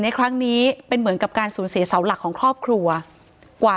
ในครั้งนี้เป็นเหมือนกับการสูญเสียเสาหลักของครอบครัวกว่า